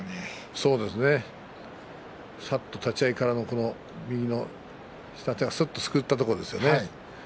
そうですねさっと立ち合いから右の下手をすっとすくったところですね。